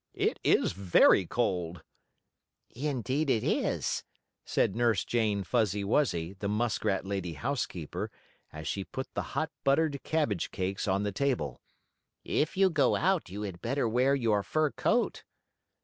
"It is very cold." "Indeed it is," said Nurse Jane Fuzzy Wuzzy, the muskrat lady housekeeper, as she put the hot buttered cabbage cakes on the table. "If you go out you had better wear your fur coat."